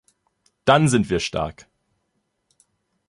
Dann sind wir stark!